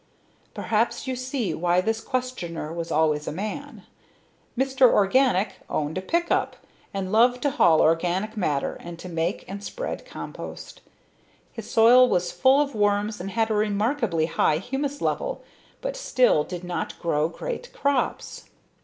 Perhaps you see why this questioner was always a man. Mr. Organic owned a pickup and loved to haul organic matter and to make and spread compost. His soil was full of worms and had a remarkably high humus level but still did not grow great crops.